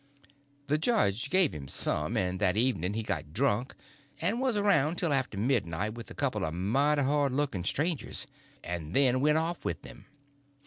The judge gave him some, and that evening he got drunk, and was around till after midnight with a couple of mighty hard looking strangers, and then went off with them.